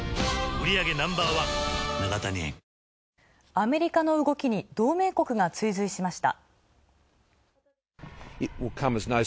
アメリカの動きに同盟国が追随しました。